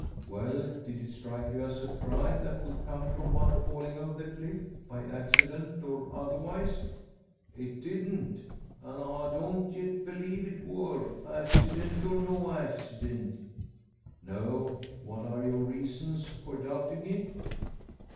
"Well; did it strike you as a cry that would come from one falling over the cliff by accident or otherwise?" "It didn't; an' I don't yet believe it wor accydent or no accydent." "No! What are your reasons for doubting it?"